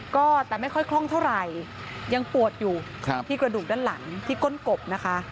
ก็แต่ไม่ค่อยคล่องเท่าไหร่ยังปวดอยู่ที่กระดูกด้านหลังที่ก้นกบนะคะ